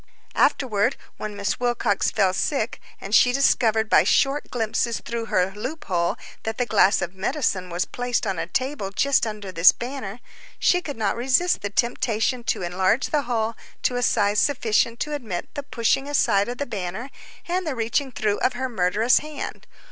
Afterward, when Miss Wilcox fell sick, and she discovered by short glimpses through her loop hole that the glass of medicine was placed on a table just under this banner, she could not resist the temptation to enlarge the hole to a size sufficient to admit the pushing aside of the banner and the reaching through of her murderous hand.